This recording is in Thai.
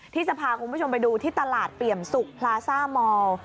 ที่จะพาคุณผู้ชมไปดูที่ตลาดเปี่ยมสุกพลาซ่ามอล